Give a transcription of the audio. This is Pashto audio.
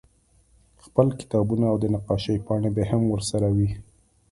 خپل کتابونه او د نقاشۍ پاڼې به هم ورسره وې